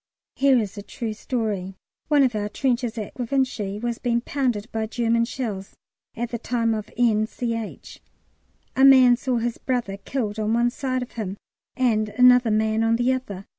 Here is a true story. One of our trenches at Givenchy was being pounded by German shells at the time of N. Ch. A man saw his brother killed on one side of him and another man on the other.